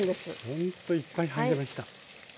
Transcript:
ほんといっぱい入りました。